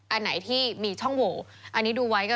อันไหนที่มีช่องโหวอันนี้ดูไว้ก็